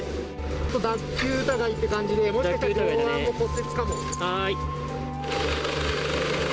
脱臼疑いって感じで、もしかしたら上腕の骨折かも。